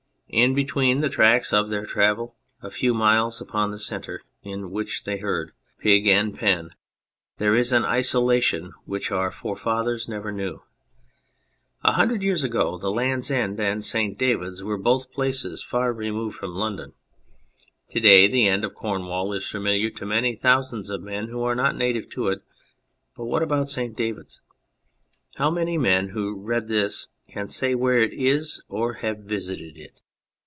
In between the tracks of their travel, a few miles upon the centres in which they herd, pig and pen, there is an isolation which our forefathers never knew. A hundred years ago the Land's End and St. Davids were both places far removed from London ; to day the end of Cornwall is familiar to many thousands of men who are not native to it, but what about St. Davids ? How many men who read this can say where it is or have visited it?